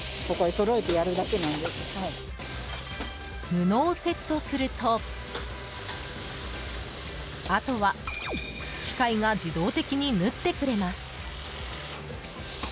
布をセットするとあとは機械が自動的に縫ってくれます。